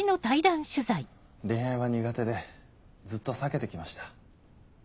恋愛は苦手でずっと避けて来ました。